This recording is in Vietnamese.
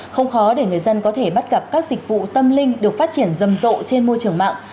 không khó để người dân có thể bắt gặp các dịch vụ tâm linh được phát triển rầm rộ trên môi trường mạng